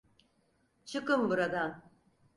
Çıkın buradan!